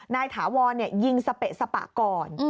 ถาวรยิงสเปะสปะก่อน